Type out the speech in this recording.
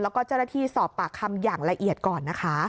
แล้วก็เจรฐีสอบปากคำอย่างละเอียดก่อน